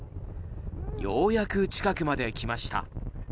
ようやく近くまで来ました。